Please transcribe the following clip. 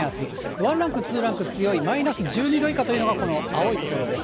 ワンランク、ツーランク強いマイナス１２度以下というのが、この青い所です。